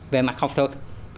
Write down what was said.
về mặt học thuật